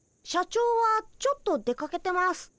社長はちょっと出かけてます。